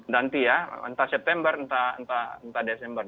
nanti ya entah september entah entah desember